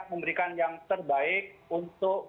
memberikan yang terbaik untuk